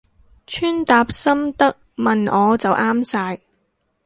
穿搭心得問我就啱晒